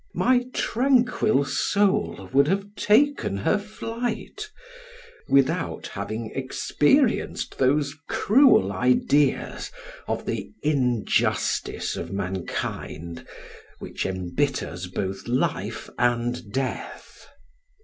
My tranquil soul would have taken her flight, without having experienced those cruel ideas of the injustice of mankind which embitters both life and death.